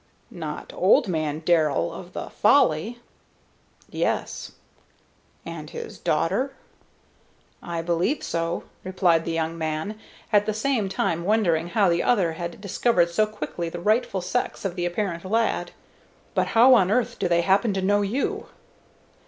"Not old man Darrell of the 'Folly'?" "Yes." "And his daughter?" "I believe so," replied the young man, at the same time wondering how the other had discovered so quickly the rightful sex of the apparent lad. "But how on earth do they happen to know you?"